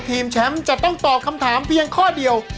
ทีมแชมป์จะต้องตอบคำถามเพียงข้อเดียว